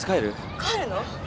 帰るの？